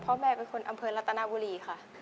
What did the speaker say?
เพราะแม่เป็นคนอำเภอรัตนาบุรีค่ะ